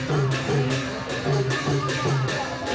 โปรดติดตามตอนต่อไป